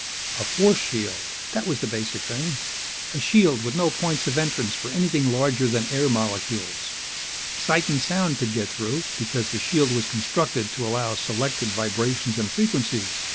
A force shield, that was the basic thing. A shield with no points of entrance for anything larger than air molecules. Sight and sound could get through, because the shield was constructed to allow selected vibrations and frequencies.